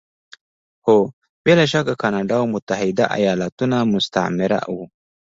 هو! بې له شکه کاناډا او متحده ایالتونه مستعمره وو.